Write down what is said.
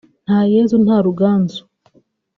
Nta Yezu nta Ruganzu